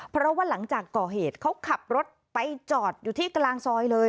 เพราะว่าหลังจากก่อเหตุเขาขับรถไปจอดอยู่ที่กลางซอยเลย